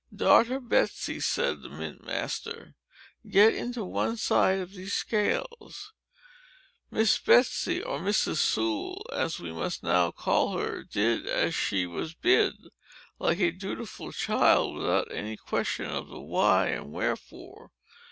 "Daughter Betsey," said the mint master, "get into one side of these scales." Miss Betsey,—or Mrs. Sewell, as we must now call her,—did as she was bid, like a dutiful child, without any question of the why and wherefore.